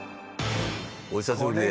お久しぶりで。